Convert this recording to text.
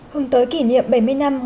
hương tới kỷ niệm bảy mươi năm